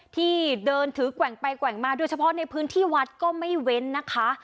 ที่เดินถือแกว่งไปแกว่งมาโดยเฉพาะในพื้นที่วัดก็ไม่เว้นนะคะ